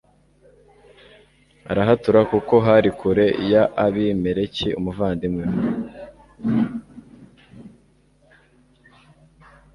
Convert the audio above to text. arahatura kuko hari kure ya abimeleki, umuvandimwe we